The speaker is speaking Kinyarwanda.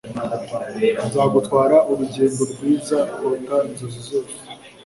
nzagutwara urugendo rwiza kuruta inzozi zose